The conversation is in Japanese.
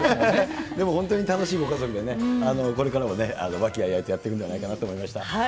でも本当に楽しいご家族で、これからも和気あいあいとやっていくんじゃないかと思いました。